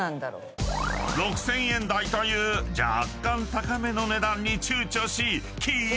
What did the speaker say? ［６，０００円台という若干高めの値段にちゅうちょし］